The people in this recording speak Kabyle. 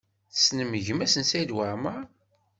Tessnem gma-s n Saɛid Waɛmaṛ?